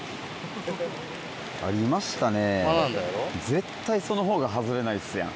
絶対その方が外れないっすやん。